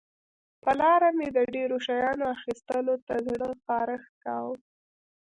پر لاره مې د ډېرو شیانو اخیستلو ته زړه خارښت کاوه.